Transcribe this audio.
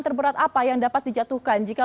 terberat apa yang dapat dijatuhkan jika